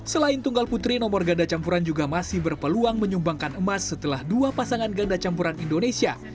selain tunggal putri nomor ganda campuran juga masih berpeluang menyumbangkan emas setelah dua pasangan ganda campuran indonesia